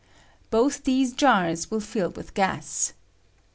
Both these jars will fill with gas.